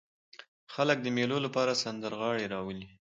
خلک د مېلو له پاره سندرغاړي راولي.